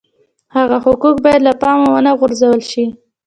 د هغه حقوق باید له پامه ونه غورځول شي.